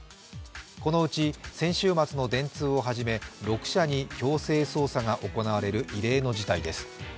このうち先週末の電通をはじめ６社に強制捜査が行われる異例の事態です。